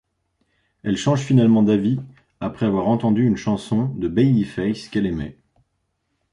Elle change finalement d'avis après avoir entendu une chanson de Babyface qu'elle aimait.